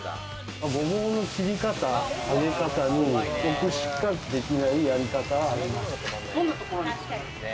ごぼうの切り方、揚げ方に僕しかできないやり方があります。